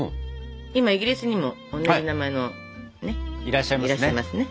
今イギリスにも同じ名前のねっいらっしゃいますね。